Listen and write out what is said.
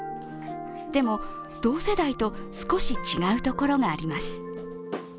でも、同世代と少し違うところがあります。